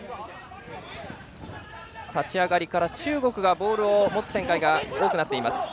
立ち上がりから中国がボールを持つ展開が多いです。